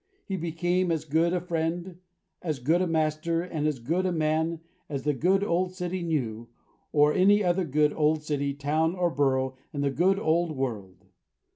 He became as good a friend, as good a master, and as good a man, as the good old city knew, or any other good old city, town, or borough, in the good old world.